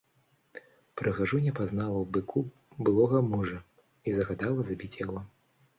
Прыгажуня пазнала ў быку былога мужа і загадала забіць яго.